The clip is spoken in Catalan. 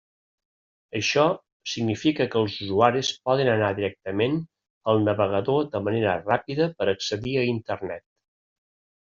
Això significa que els usuaris poden anar directament al navegador de manera ràpida per accedir a Internet.